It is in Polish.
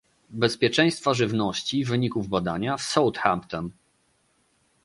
Bezpieczeństwa Żywności wyników badania w Southampton